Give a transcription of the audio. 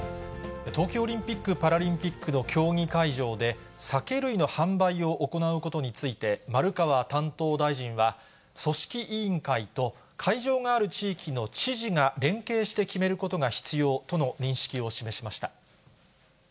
東京オリンピック・パラリンピックの競技会場で、酒類の販売を行うことについて、丸川担当大臣は、組織委員会と、会場がある地域の知事が連携して決めることが必要との認識を示しました。